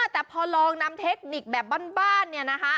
แต่พอลองนำเทคนิคแบบบ้านเนี่ยนะคะ